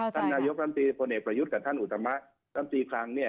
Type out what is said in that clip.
ธนายกรมศรีปนเนตประยุทธกับท่านอุทธมะรำศรีครั้ง